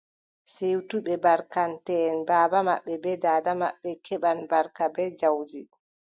Siwtuɓe barkanteʼen, baaba maɓɓe bee daada maɓɓe keɓan barka bee jawdi.